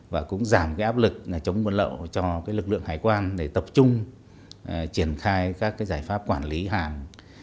và cũng giảm cái áp lực chống buôn lậu cho lực lượng hải quan để tập trung triển khai các giải pháp quản lý hàng